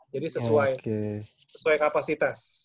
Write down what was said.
jadi sesuai sesuai kapasitas